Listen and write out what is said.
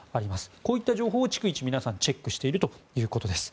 こういった情報を逐一皆さんチェックしているということです。